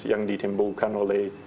yang ditimbulkan oleh